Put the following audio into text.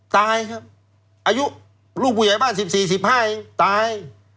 ตายครับอายุลูกผู้ใหญ่บ้าน๑๔๑๕เองตาย